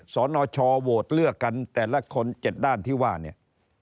สนชโหวตเลือกกันแต่ละคน๗ด้านที่ว่าเนี่ย